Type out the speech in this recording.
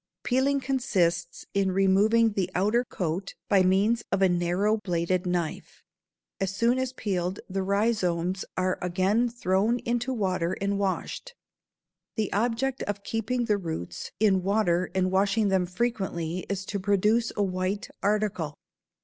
Peeling consists in removing the outer coat by means of a narrow bladed knife. As soon as peeled the rhizomes are again thrown into water and washed. The object of keeping the "roots" in water and washing them frequently is to produce a white article.